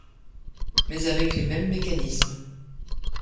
Mais avec les mêmes mécanismes.